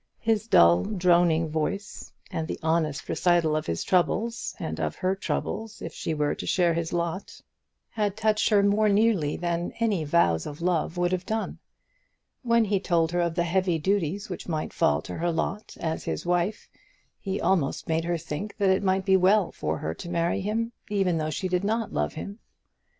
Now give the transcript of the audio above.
His dull droning voice, and the honest recital of his troubles, and of her troubles if she were to share his lot, had touched her more nearly than any vows of love would have done. When he told her of the heavy duties which might fall to her lot as his wife, he almost made her think that it might be well for her to marry him, even though she did not love him.